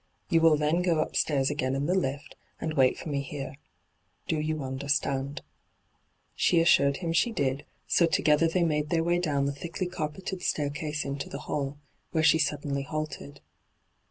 You will then go upstairs again in the lift, and wait for me here. Do you understand ?' She assured him she did, so together they made their way down the thickly carpeted hyGoo>^lc ENTRAPPED 135 staircase into the hall, where she suddenly halted.